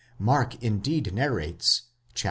Mark, indeed, narrates (iv.